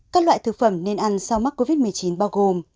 các loại thực phẩm nên ăn sau mắc covid một mươi chín bao gồm